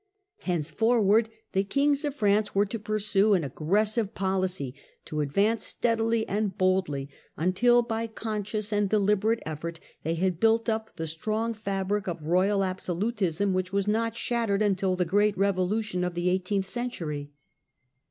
Henceforward the kings of France were to pursue an aggressive policy, to advance steadily and boldly, until by conscious and deliberate effort they had built up the strong fabric of royal abso lutism which was not shattered until the Great Kevolution of the eighteenth century.